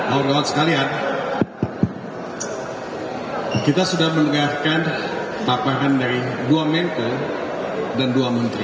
allah sekalian kita sudah menegakkan tapahan dari dua menteri dan dua menteri